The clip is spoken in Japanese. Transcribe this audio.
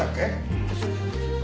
うん。